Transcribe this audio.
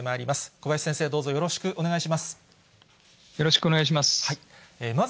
小林先生、どうぞよろしくお願いよろしくお願いします。